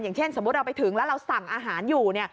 อย่างเช่นสมมุติเราไปถึงแล้วเราสั่งอาหารอยู่เนี่ย